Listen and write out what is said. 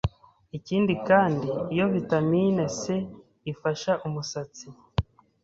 Ikindi kandi iyo Vitamine C ifasha umusatsi